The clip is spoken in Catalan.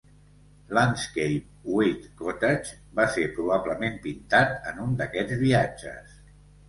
"Landscape with Cottage" va ser probablement pintat en un d'aquests viatges.